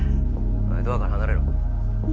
おいドアから離れろ。